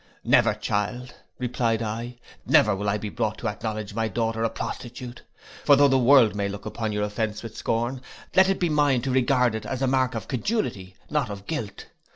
'Never, child,' replied I, 'never will I be brought to acknowledge my daughter a prostitute; for tho' the world may look upon your offence with scorn, let it be mine to regard it as a mark of credulity, not of guilt.